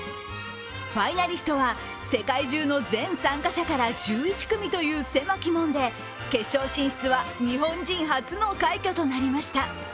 ファイナリストは世界中の全参加者から１１組という狭き門で決勝進出は日本人初の快挙となりました。